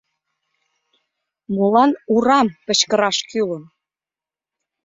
Молан «урам» кычкыраш кӱлын?